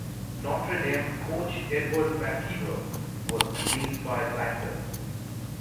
Notre Dame coach Edward McKeever was amazed by Blanchard.